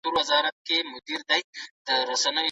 اسلام تل د سولي او ورورولۍ پيغام ټولې نړۍ ته رسوي.